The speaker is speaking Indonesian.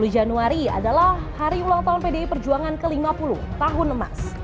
dua puluh januari adalah hari ulang tahun pdi perjuangan ke lima puluh tahun emas